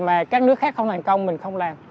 mà các nước khác không thành công mình không làm